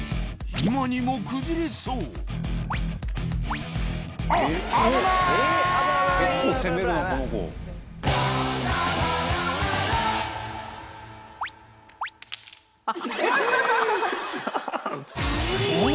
今にも崩れそうおおー！